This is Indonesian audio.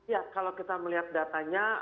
ya kalau kita melihat datanya